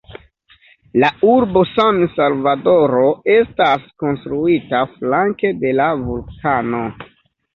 La urbo San-Salvadoro estas konstruita flanke de la vulkano.